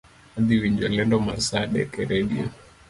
Adhii winjo lendo mar saa adek e radio